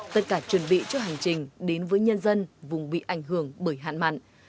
tất cả chuẩn bị cho hành trình đến với nhân dân vùng bị ảnh hưởng bởi hạn mặn